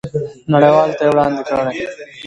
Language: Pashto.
نړیوالو ته یې وړاندې کړئ.